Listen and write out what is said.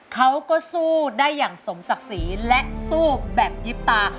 เขาก็สู้ได้อย่างสมศักดิ์ศรีและสู้แบบยิบตา